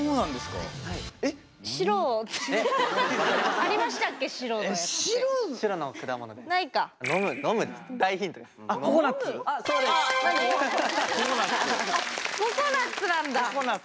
あココナッツなんだ！